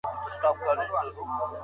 زور د عقیدې په بدلون کي ناکام دی.